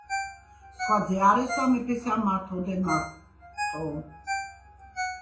სხვა ძე არ ესვა მეფესა მართ ოდენ მარტო